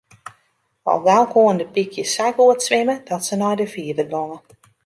Al gau koenen de pykjes sa goed swimme dat se nei de fiver gongen.